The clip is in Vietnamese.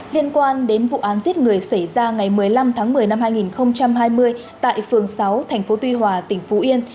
liên quan đến vụ án giết người xảy ra ngày một mươi năm tháng một mươi năm hai nghìn hai mươi tại phường sáu tp tuy hòa tỉnh phú yên